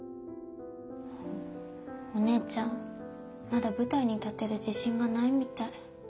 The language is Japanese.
お姉ちゃんまだ舞台に立てる自信がないみたい。